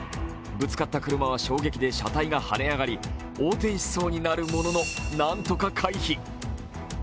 ぶつかった車は衝撃で車体が跳ね上がり、横転しそうになるものの、なんとか回避。